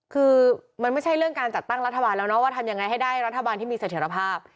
คือมันไม่ใช่เรื่องการจัดตั้งรัฐบาลแล้วนะว่าทำยังไงให้ได้รัฐบาลที่มีเสถียรภาพ